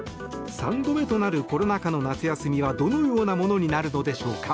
３度目となるコロナ禍の夏休みはどのようなものになるのでしょうか。